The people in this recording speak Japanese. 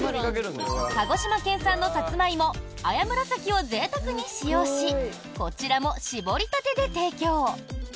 鹿児島県産のサツマイモ、綾紫をぜいたくに使用しこちらも搾りたてで提供。